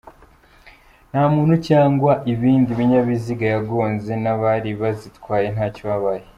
Nta muntu cyangwa ibindi binyabiziga yagonze n’abari bazitwaye ntacyo babaye.